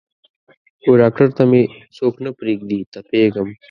وډاکتر ته مې څوک نه پریږدي تپیږم